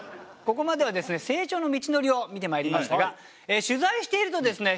ここまではですね成長の道のりを見てまいりましたが取材しているとですね